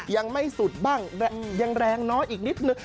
ยังไม่สุดบ้างยังแรงน้อยอีกนิดนึง